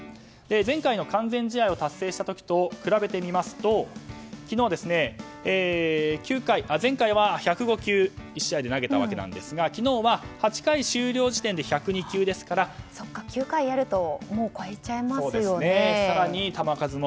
前回の完全試合を達成した時と比べてみますと前回は１０５球１試合で投げましたが昨日は８回終了時点で１０２球ですから９回やると超えちゃいますよね。